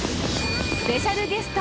スペシャルゲスト